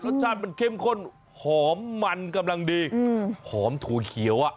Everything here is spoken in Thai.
รสชาติมันเข้มข้นหอมมันกำลังดีหอมถั่วเขียวอ่ะ